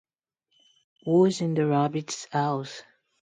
Who's in Rabbit's House?